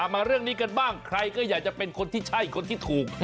มาเรื่องนี้กันบ้างใครก็อยากจะเป็นคนที่ใช่คนที่ถูก